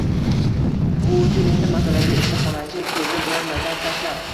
Bu uchun esa masalaga issiqxonachi ko‘zi bilan nazar tashlab